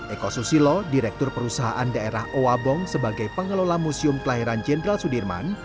eko susilo direktur perusahaan daerah owabong sebagai pengelola museum kelahiran jenderal sudirman